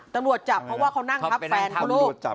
ตำรวจจับเพราะว่าเขานั่งทับแฟนเขาลูก